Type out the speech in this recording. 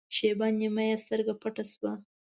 شېبه نیمه یې سترګه پټه شوه.